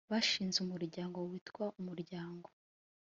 bashinze umuryango witwa umuryango